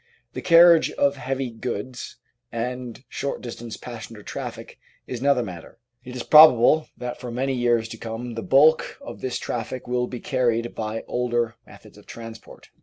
The carriage of heavy goods and short distance passenger traffic is another mat ter; it is probable that for many years to come the bulk of this traffic will be carried by older methods of transport.